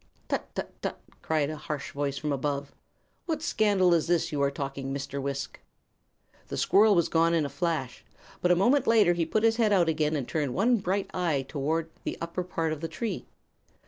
"Tut tut tut!" cried a harsh voice from above. "What scandal is this you are talking, Mr. Wisk?" The squirrel was gone in a flash; but a moment later he put out his head again and turned one bright eye toward the upper part of the tree.